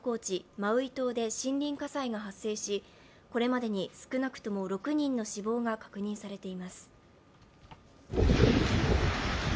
マウイ島で森林火災が発生しこれまでに少なくとも６人の死亡が確認されています。